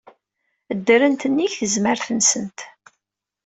Ddrent nnig tzemmar-nsent.